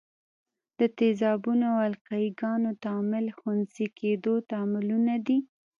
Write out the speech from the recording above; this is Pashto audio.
د تیزابونو او القلي ګانو تعامل خنثي کیدو تعاملونه دي.